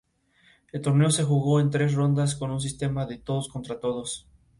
El torneo se jugó en tres rondas con un sistema de todos-contra-todos.